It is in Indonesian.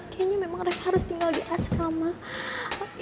kayaknya memang reva harus tinggal di asrama deh mas